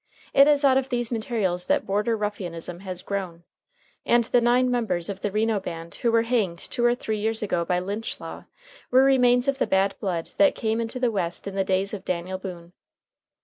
It is out of these materials that border ruffianism has grown, and the nine members of the Reno band who were hanged two or three years ago by lynch law, were remains of the bad blood that came into the West in the days of Daniel Boone.